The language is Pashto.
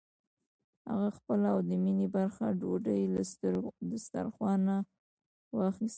هغه خپله او د مينې برخه ډوډۍ له دسترخوانه واخيسته.